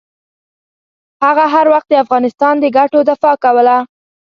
هغه هر وخت د افغانستان د ګټو دفاع کوله.